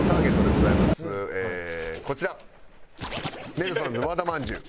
ネルソンズ和田まんじゅう。